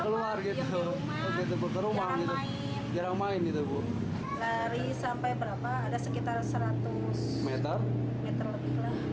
keluar gitu ke rumah gitu jarang main itu bu dari sampai berapa ada sekitar seratus m lebih lah